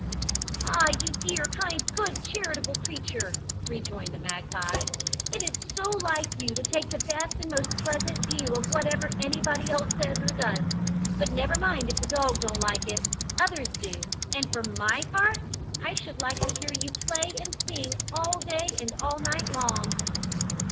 "Ah, you dear, kind, good, charitable creature," rejoined the magpie, "it is so like you to take the best and most pleasant view of whatever anybody else says or does. But never mind, if the dog don't like it, others do, and for my part, I should like to hear you play and sing all day and all night long."